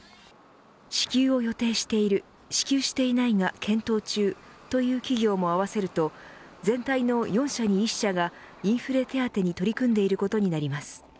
支給を予定している支給していないが検討中という企業も合わせると全体の４社に１社がインフレ手当に取り組んでいることになります。